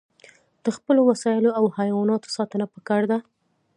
د خپلو وسایلو او حیواناتو ساتنه پکار ده.